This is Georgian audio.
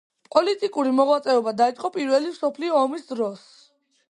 პოლიტიკური მოღვაწეობა დაიწყო პირველი მსოფლიო ომის დროს.